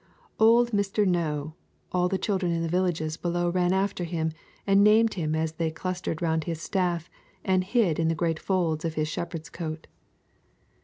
Old Mr. Know all the children in the villages below ran after him and named him as they clustered round his staff and hid in the great folds of his shepherd's coat.